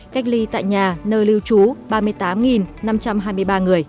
cách ly tại nhà nơi lưu trú ba mươi tám năm trăm hai mươi ba người